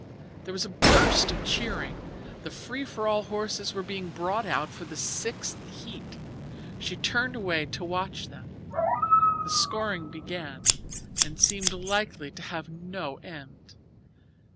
There was a burst of cheering. The free for all horses were being brought out for the sixth heat. She turned away to watch them. The scoring began, and seemed likely to have no end.